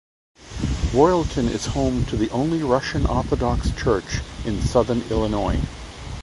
Royalton is home to the only Russian Orthodox church in southern Illinois.